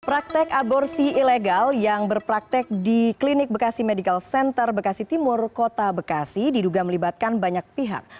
praktek aborsi ilegal yang berpraktek di klinik bekasi medical center bekasi timur kota bekasi diduga melibatkan banyak pihak